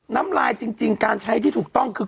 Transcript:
น้ำลายจริงการใช้ที่ถูกต้องคือ